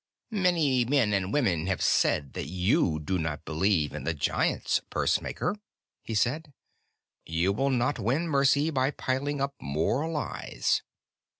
"Many men and women have said that you do not believe in the Giants, pursemaker," he said. "You will not win mercy by piling up more lies."